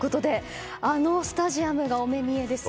あのスタジアムがお目見えですよ。